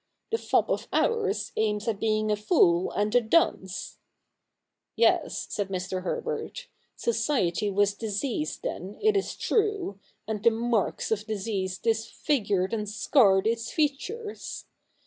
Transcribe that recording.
The fop of ours aims at being a fool and a dunce.' ' Yes,' said Mr. Herbert, ' society was diseased then, it is true, and the marks of disease disfigured and scarred its features.